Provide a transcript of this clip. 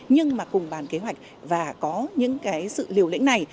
nhưng mà cùng bàn kế hoạch và có những cái sự liều lĩnh này